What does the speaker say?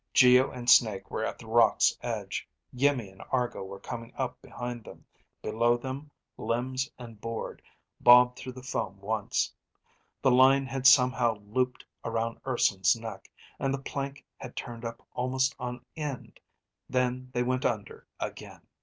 Geo and Snake were at the rocks' edge. Iimmi and Argo were coming up behind them. Below them, limbs and board bobbed through the foam once. The line had somehow looped around Urson's neck, and the plank had turned up almost on end. Then they went under again.